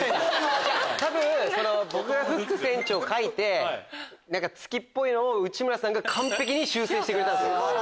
多分僕がフック船長を描いて月っぽいのを内村さんが完璧に修正してくれた。